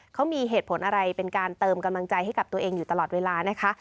เขามีเหตุผลอะไรเป็นการเติมกำลังใจให้กับตัวเองอยู่ตลอดเวลานะคะ